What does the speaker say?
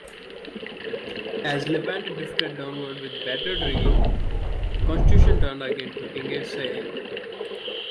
As "Levant" drifted downwind with battered rigging, "Constitution" turned again to engage "Cyane".